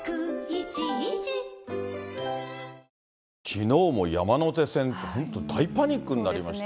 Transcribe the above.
きのうも山手線、本当に大パニックになりまして。